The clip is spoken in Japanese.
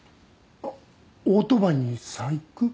オートバイに細工？